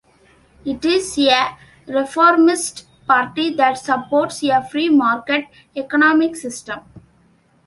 It is a reformist party that supports a free market economic system.